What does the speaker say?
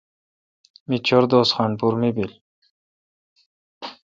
می چور دوس خان پور می بیل۔